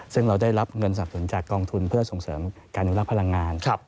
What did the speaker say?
ซึ่งเราได้รับเงินสนับสนุนจากกองทุนเพื่อส่งเสริมการอนุรักษ์พลังงาน